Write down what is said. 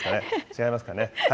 違いますかね。